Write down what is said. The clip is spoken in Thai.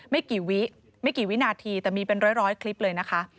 ไม่กี่วินาทีแต่มีเป็นร้อยคลิปเลยนะคะ